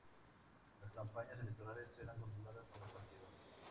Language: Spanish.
Las campañas electorales eran controladas por el partido.